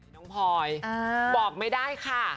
หนูพอยบอกไม่ได้ค่ะ